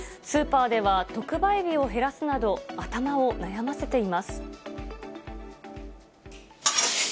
スーパーでは、特売日を減らすなど、頭を悩ませています。